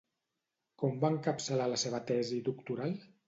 Com va encapçalar la seva tesi doctoral?